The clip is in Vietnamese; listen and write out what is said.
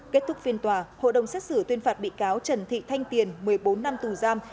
kết thúc phiên tòa hộ đồng xét xử tuyên phạt bị cáo trần thị thanh tiền một mươi bốn năm tù giam